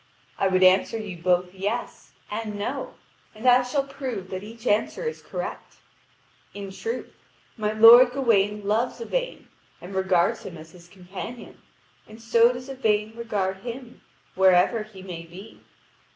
I would answer you both "yes" and "no." And I shall prove that each answer is correct. In truth, my lord Gawain loves Yvain and regards him as his companion, and so does Yvain regard him, wherever he may be.